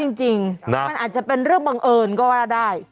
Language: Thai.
จริงมันอาจจะเป็นเรื่องบังเอิญก็ว่าได้